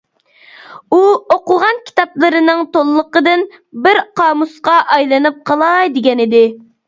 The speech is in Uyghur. ئۇ ئوقۇغان كىتابلىرىنىڭ تولىلىقىدىن بىر قامۇسقا ئايلىنىپ قالاي دېگەنىدى.